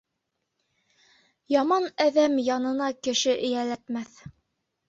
Яман әҙәм янына кеше эйәләтмәҫ.